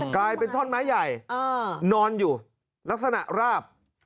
กลายเป็นท่อนไม้ใหญ่นอนอยู่ลักษณะราบ